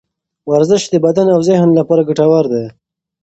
ورزش د بدن او ذهن لپاره ګټور دی.